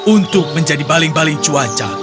untuk menjadi baling baling cuaca